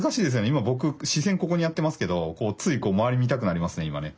今僕視線ここにやってますけどつい周り見たくなりますね今ね。